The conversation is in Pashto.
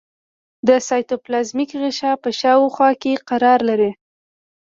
د سایتوپلازمیک غشا په شاوخوا کې قرار لري.